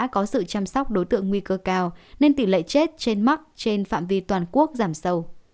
có sự chăm sóc đối tượng nguy cơ cao nên tỷ lệ chết trên mắc trên phạm vi toàn quốc giảm sâu